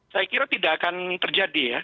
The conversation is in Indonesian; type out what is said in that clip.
saya kira tidak akan terjadi ya